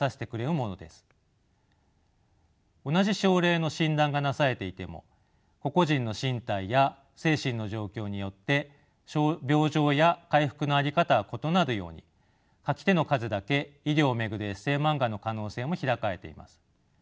同じ症例の診断がなされていても個々人の身体や精神の状況によって病状や回復の在り方が異なるように書き手の数だけ医療を巡るエッセーマンガの可能性も開かれています。